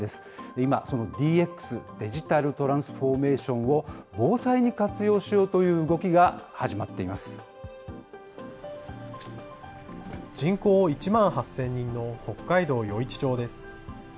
今、そのＤＸ・デジタルトランスフォーメーションを、防災に活用しようという動きが始まっていま人口１万８０００人の北海道余市町です。